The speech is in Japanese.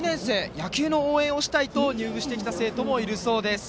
野球の応援をしたいと入部してきた生徒もいるそうです。